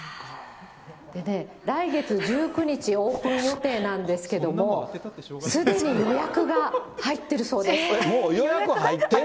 でね、来月１９日オープン予定なんですけれども、すでに予約が入っているそうです。